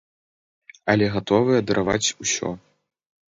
Але гатовыя дараваць усё.